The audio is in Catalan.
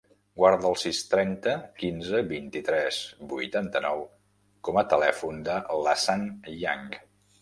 Guarda el sis, trenta, quinze, vint-i-tres, vuitanta-nou com a telèfon de l'Hassan Yang.